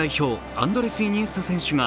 アンドレス・イニエスタ選手が